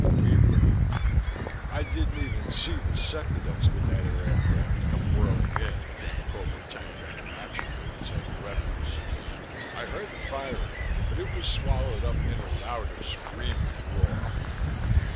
We ran. I didn't even see the second expediter aircraft come whirling in and put the cobra tank out of action with its heavy weapons. I heard the firing, but it was swallowed up in a louder screaming roar.